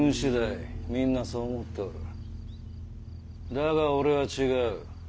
だが俺は違う。